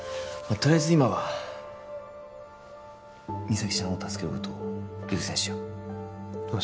とりあえず今は実咲ちゃんを助けることを優先しよう明日